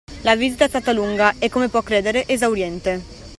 La visita è stata lunga e, come può credere, esauriente.